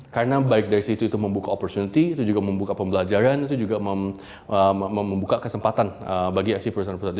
karena baik dari situ itu membuka opportunity itu juga membuka pembelajaran itu juga membuka kesempatan bagi actually perusahaan perusahaan